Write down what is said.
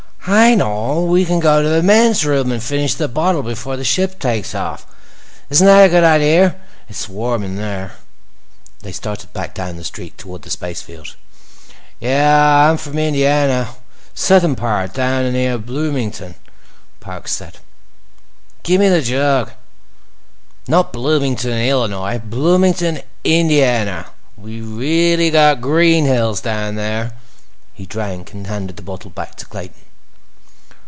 I know! We can go to the men's room and finish the bottle before the ship takes off! Isn't that a good idea? It's warm there." They started back down the street toward the spacefield. "Yep, I'm from Indiana. Southern part, down around Bloomington," Parks said. "Gimme the jug. Not Bloomington, Illinois—Bloomington, Indiana. We really got green hills down there." He drank, and handed the bottle back to Clayton.